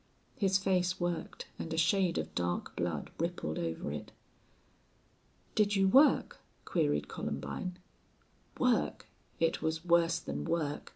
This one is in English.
His face worked, and a shade of dark blood rippled over it. "Did you work?" queried Columbine. "Work! It was worse than work....